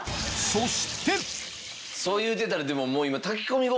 そしてそう言うてたらでももう今。